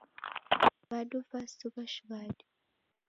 Vadu vasighwa shighadi